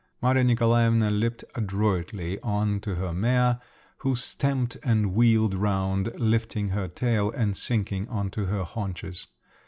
Maria Nikolaevna leaped adroitly on to her mare, who stamped and wheeled round, lifting her tail, and sinking on to her haunches.